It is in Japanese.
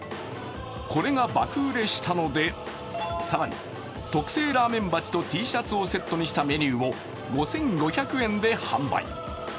これが爆売れしたので、更に特製ラーメン鉢とＴシャツをセットにしたメニューを５５００円で販売。